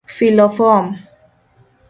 Filo fom: